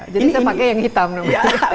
jadi kita pakai yang hitam namanya